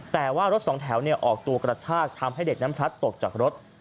แต่ว่ารถสองแถวออกตัวกระชากทำให้เด็กนั้นพลัดตกจากรถ